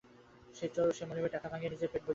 সে চোর, সে মনিবের টাকা ভাঙিয়া নিজের পেট ভরিতেছে।